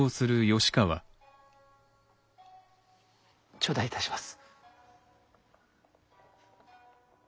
頂戴いたします。